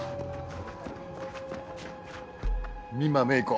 美馬芽衣子